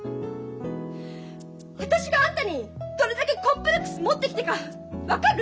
私があんたにどれだけコンプレックス持ってきたか分かる？